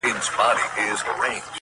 ورځم چي عمر چي له يو ساعته کم ساز کړي~